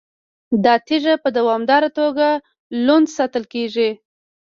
دا تیږه په دوامداره توګه لوند ساتل کیږي.